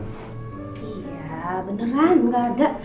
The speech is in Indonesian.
iya beneran gaada